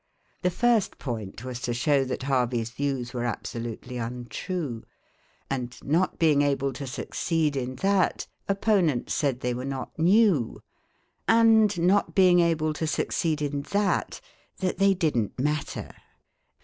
The first point was to show that Harvey's views were absolutely untrue; and not being able to succeed in that, opponents said they were not new; and not being able to succeed in that, that they didn't matter.